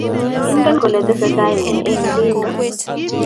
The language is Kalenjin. Ingen kole tesetai neeng olindo?